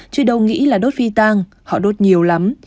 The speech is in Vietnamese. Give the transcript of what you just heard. chứ đâu nghĩ là đốt phi tang họ đốt nhiều lắm